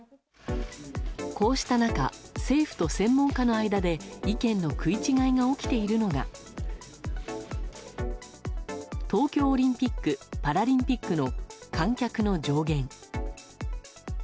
こうした中政府と専門家の間で意見の食い違いが起きているのが東京オリンピック・パラリンピックの観客の上限。